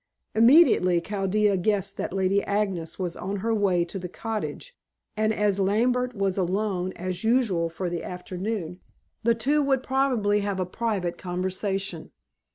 Immediately, Chaldea guessed that Lady Agnes was on her way to the cottage, and, as Lambert was alone as usual for the afternoon, the two would probably have a private conversation.